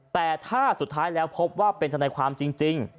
แต่ถ้าสุดท้ายแล้วพบว่าเป็นทนายความจริง